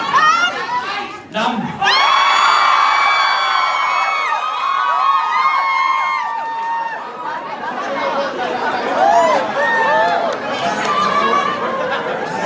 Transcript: น้ำ